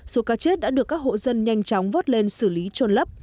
số cá chết đã được các hộ dân nhanh chóng vớt lên xử lý trôn lấp